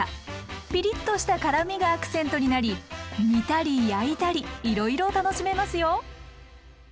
ピリッとした辛みがアクセントになり煮たり焼いたりいろいろ楽しめますよ。